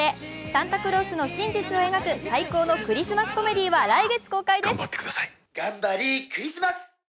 サンタクロースの真実を描く最高のクリスマスコメディーは来月公開です。